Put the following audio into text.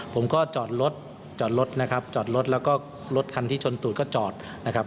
ผมก็จอดรถจอดรถนะครับจอดรถแล้วก็รถคันที่ชนตูดก็จอดนะครับ